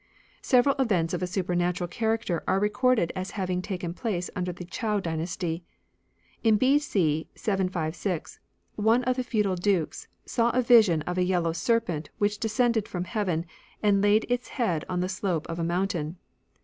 Super Several events of a supernatural ifonffMta c^^^'^^^r ^ re recorded as having taken tions. place imder the Chou dynasty. In B.C. 756, one of the feudal Dukes saw a vision of a yellow serpent which descended from heaven, and laid its head on the slope of a mountain.